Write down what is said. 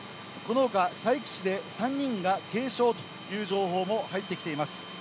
このほか佐伯市で３人が軽傷という情報も入ってきています。